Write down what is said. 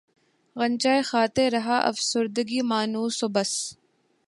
غنچۂ خاطر رہا افسردگی مانوس و بس